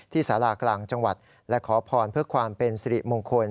สารากลางจังหวัดและขอพรเพื่อความเป็นสิริมงคล